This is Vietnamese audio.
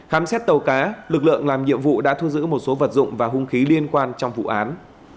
khám xét tàu cá lực lượng làm nhiệm vụ đã thu giữ một số vật dụng và hung khí liên quan trong vụ án